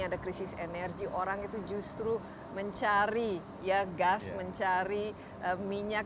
ada krisis energi orang itu justru mencari gas mencari minyak